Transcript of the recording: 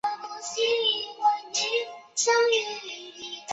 布罗德盖石圈是新石器时代遗迹。